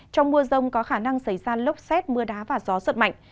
trong mưa rông có khả năng xảy ra lốc xét mưa đá và gió giật mạnh